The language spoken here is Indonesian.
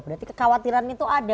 berarti kekhawatiran itu ada